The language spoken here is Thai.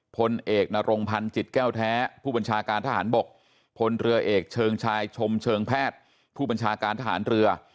พลเอกนรงพันธ์จิตแก้วแท้ผู้บัญชาการทหารบกพลเรือเอกเชิงชายชมเชิงแพทย์ผู้บัญชาการทหารเรือ